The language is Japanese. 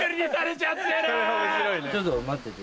ちょっと待ってて。